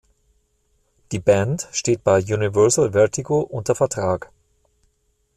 Die Band steht bei Universal Vertigo unter Vertrag.